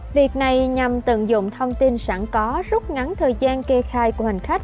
việc này nhằm tận dụng thông tin sẵn có rút ngắn thời gian kê khai của hành khách